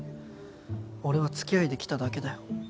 俺は付き合いで来ただけだよ。